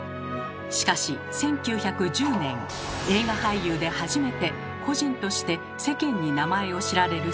しかし１９１０年映画俳優で初めて個人として世間に名前を知られるスターが現れます。